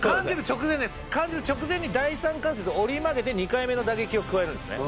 感じる直前に第三関節を折り曲げて２回目の打撃を加えるんですね。